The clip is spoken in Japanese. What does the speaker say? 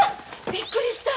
びっくりした！